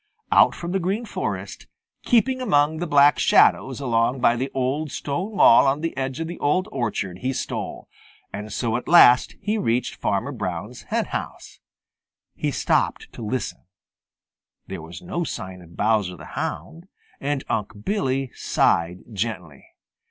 Out from the Green Forest, keeping among the Black Shadows along by the old stone wall on the edge of the Old Orchard, he stole, and so at last he reached Farmer Brown's henhouse. He stopped to listen. There was no sign of Bowser the Hound, and Unc' Billy sighed gently.